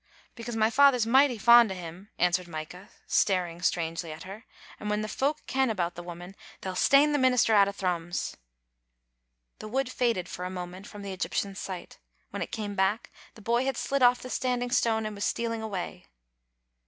" Because my father's michty fond o' him," answered Micah, staring strangely at her; "and when the folk ken about the woman, they'll stane the minister out o' Thrums." The wood faded for a moment from the Egyptian's sight. When it came back, the boy had slid off the Standing Stone and was stealing away.